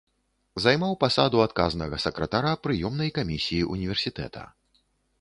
Займаў пасаду адказнага сакратара прыёмнай камісіі ўніверсітэта.